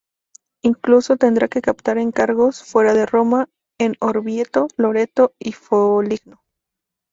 Incluso tendrá que captar encargos fuera de Roma, en Orvieto, Loreto y Foligno.